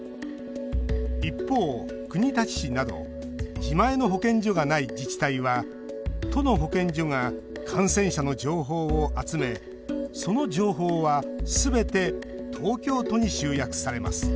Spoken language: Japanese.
一方、国立市など自前の保健所がない自治体は都の保健所が感染者の情報を集めその情報はすべて東京都に集約されます。